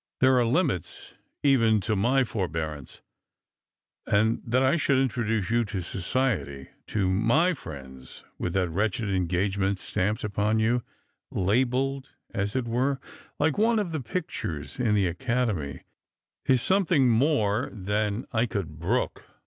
" There are limits even to my forbearance ; and that I should introduce yon to society, to my friends, with that wretched engagement stamped upon you — labelled, as it were, like one of the pictures in the Academy — is something more than I could brooli.